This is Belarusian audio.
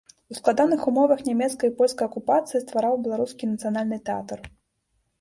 У складаных умовах нямецкай і польскай акупацыі ствараў беларускі нацыянальны тэатр.